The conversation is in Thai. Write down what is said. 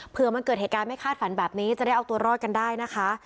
เพื่อมันเกิดเหตุการณ์ไม่คาดฝันแบบนี้จะได้เอาตัวรอดกันได้นะคะ